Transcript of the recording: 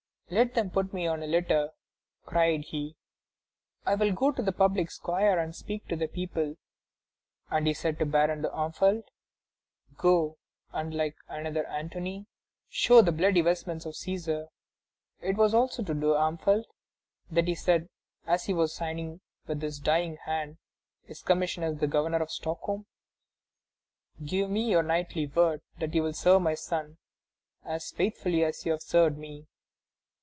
"Let them put me on a litter," cried he; "I will go to the public square and speak to the people." And he said to Baron d'Armfelt: "Go, and like another Antony, show the bloody vestments of Cæsar." It was also to D'Armfelt that he said as he was signing with his dying hand his commission as Governor of Stockholm: "Give me your knightly word that you will serve my son as faithfully as you have served me."